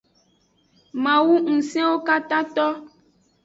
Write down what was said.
Mawu ngusenwo katato.